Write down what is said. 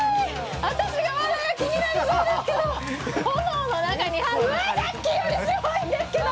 私が藁焼きになりそうですけど、炎の中に、ウワァ、さっきよりすごいんですけど！